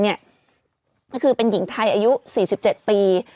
ก็คือเป็นหญิงไทยอายุ๔๗ปี